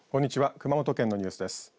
熊本県のニュースです。